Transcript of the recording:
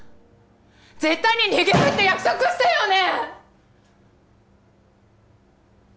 絶対に逃げるって約束したよね！？